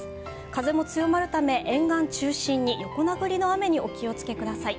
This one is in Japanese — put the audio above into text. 風も強まるため、沿岸中心に横殴りの雨にお気をつけください。